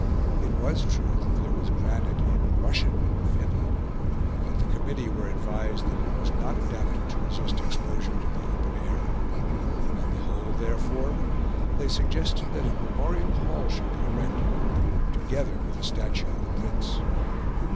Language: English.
It was true that there was granite in Russian Finland; but the committee were advised that it was not adapted to resist exposure to the open air. On the whole, therefore, they suggested that a Memorial Hall should be erected, together with a statue of the Prince.